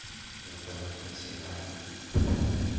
Beṭlent asihaṛ-nni.